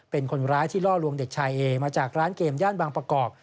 เป็นคนร้ายที่ล่อลวงเด็กชายเอมาจากร้านเกมย่านบางประกอบ